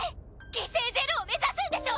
犠牲ゼロを目指すんでしょ！